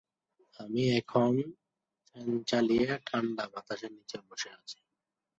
এটি মংলা বন্দরের সাথে খুলনা তথা সমগ্র বাংলাদেশের রেল সংযোগ তৈরী করবে।